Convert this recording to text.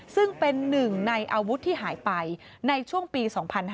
ซึ่งเป็นหนึ่งในอาวุธที่หายไปในช่วงปี๒๕๕๙